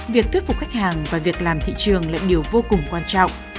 việc thuyết phục khách hàng và việc làm thị trường là điều vô cùng quan trọng